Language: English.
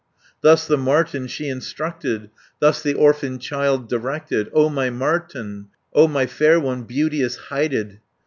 "Thus the marten she instructed, Thus the orphan child directed: 280 'O my marten, O my birdling, O my fair one, beauteous hided!